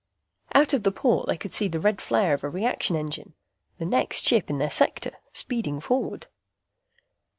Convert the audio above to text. Out of the port they could see the red flare of a reaction engine; the next ship in their sector, speeding forward.